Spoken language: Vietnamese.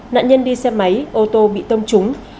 nạn nhân đi xe máy ô tô bị tông trúng